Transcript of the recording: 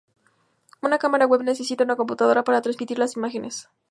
Una cámara web necesita una computadora para transmitir las imágenes.